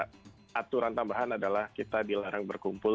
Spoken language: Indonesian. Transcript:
dan selain itu ada aturan tambahan adalah kita dilarang berkumpul